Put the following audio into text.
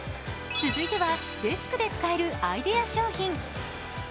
続いてはデスクで使えるアイデア商品。